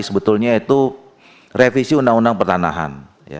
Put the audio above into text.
sebetulnya itu revisi undang undang pertanahan